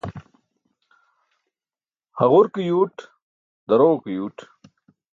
Haġur ke yuuṭ, daroġo ke yuuṭ.